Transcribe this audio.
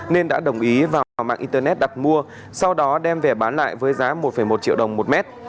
nên đã đồng ý vào mạng internet đặt mua sau đó đem về bán lại với giá một một triệu đồng một mét